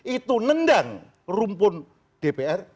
itu nendang rumpun dpr